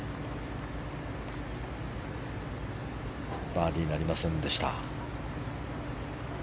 バーディーなりませんでした。